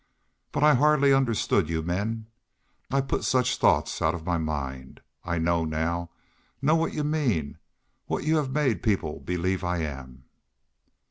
But I hardly understood y'u men. I put such thoughts out of my mind. I know now know what y'u mean what y'u have made people believe I am."